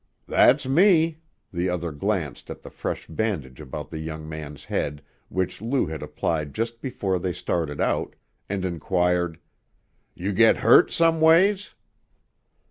"That's me!" The other glanced at the fresh bandage about the young man's head which Lou had applied just before they started out, and inquired: "You git hurt, some ways?"